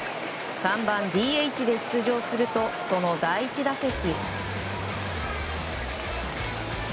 ３番ＤＨで出場するとその第１打席。